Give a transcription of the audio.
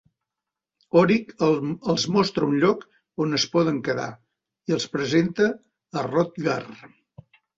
Orik els mostra un lloc on es poden quedar i els presenta a Hrothgar.